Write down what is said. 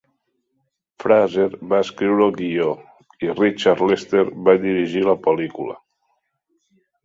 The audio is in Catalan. Fraser va escriure el guió i Richard Lester va dirigir la pel·lícula.